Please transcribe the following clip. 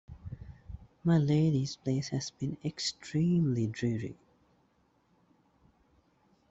My Lady's place has been extremely dreary.